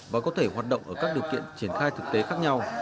và có thể hoạt động ở các điều kiện triển khai thực tế khác nhau